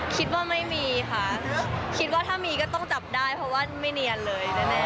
คิดว่าไม่มีค่ะคิดว่าถ้ามีก็ต้องจับได้เพราะว่าไม่เนียนเลยแน่